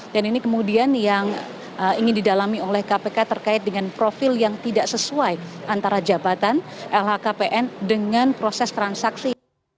dan ini kemudian yang ingin didalami oleh kpk terkait dengan profil yang tidak sesuai antara jabatan lhkpn dengan proses transaksi